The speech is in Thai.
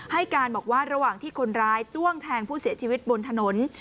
ให้การบอกว่าระหว่างที่คนร้ายจ้วงแทงผู้เสียชีวิตบนถนน